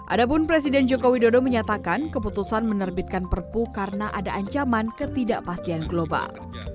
adapun presiden joko widodo menyatakan keputusan menerbitkan perpu karena ada ancaman ketidakpastian global